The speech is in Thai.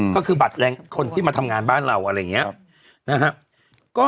ก็คือบัตรแรงคนที่มาทำงานบ้านเราอะไรอย่างนี้นะครับ